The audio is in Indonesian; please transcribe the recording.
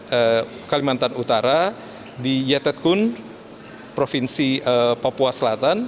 di kalimantan utara di yetetkun provinsi papua selatan